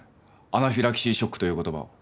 アナフィラキシーショックという言葉を。